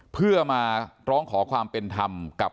เพื่อมาร้องขอความเป็นธรรมกับ